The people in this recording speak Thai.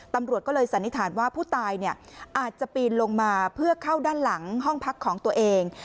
ตำรวจก็เลยสันนิษฐานว่าผู้ตายอาจจะปีนลงมาเพื่อเข้าด้านหลังห้องพักของตัวเอง